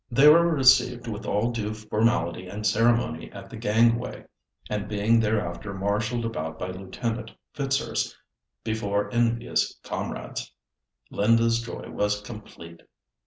They were received with all due formality and ceremony at the gangway, and being thereafter marshalled about by Lieutenant Fitzurse, before envious comrades, Linda's joy was complete.